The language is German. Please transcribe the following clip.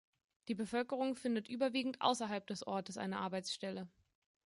Die Bevölkerung findet überwiegend außerhalb des Ortes eine Arbeitsstelle.